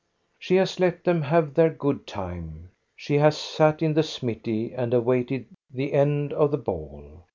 She has let them have their good time. She has sat in the smithy and awaited the end of the ball.